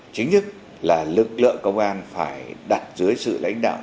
chính thức là lực lượng công an phải đặt dưới sự lãnh đạo